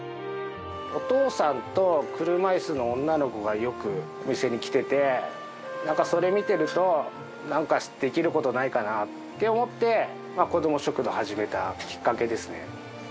お父さんと車いすの女の子がよくお店に来ててそれ見てると何かできることないかなって思ってこども食堂始めたきっかけですね。